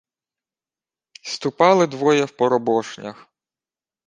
— Ступали двоє в поробошнях.